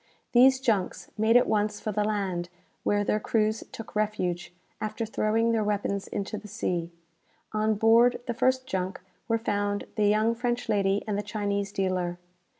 These junks made at once for the land, where their crews took refuge, after throwing their weapons into the sea. On board the first junk were found the young French lady and the Chinese dealer.